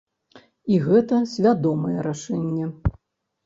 І гэта свядомае рашэнне.